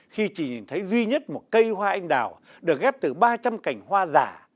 khi chỉ nhìn thấy duy nhất một cây hoa anh đào được ghép từ ba trăm linh cành hoa giả